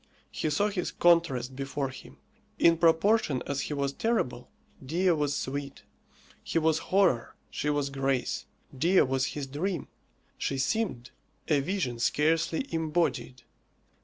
He saw his contrast before him: in proportion as he was terrible, Dea was sweet. He was horror; she was grace. Dea was his dream. She seemed a vision scarcely embodied.